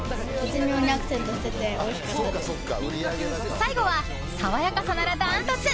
最後は爽やかさならダントツ！